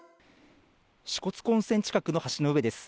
支笏湖温泉近くの橋の上です。